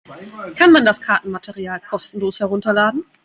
Kann man das Kartenmaterial kostenlos herunterladen?